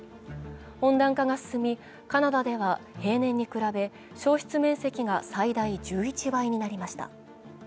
温暖化が進み、カナダでは平年に比べ、焼失面積が最大１１倍になりました。